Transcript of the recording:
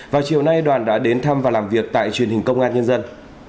vào chiều nay đoàn đã đến thăm và làm việc tại truyền hình công an nhân dân